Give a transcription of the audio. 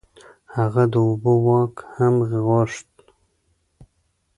هغه د اوبو واک هم غوښت.